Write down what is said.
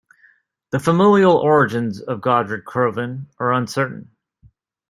The familial origins of Godred Crovan are uncertain.